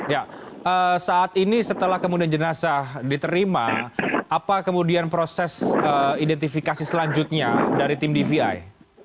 ya saat ini setelah kemudian jenazah diterima apa kemudian proses identifikasi selanjutnya dari tim dvi